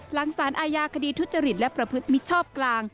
หลังสารอาญาคดีทุจริตและประพฤติมิชชอบกลาง